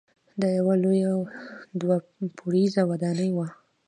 دا یوه لویه دوه پوړیزه ودانۍ وه.